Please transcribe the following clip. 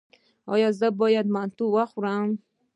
ایا زه باید منتو وخورم؟